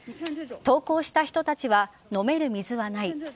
投稿した人たちは飲める水はない。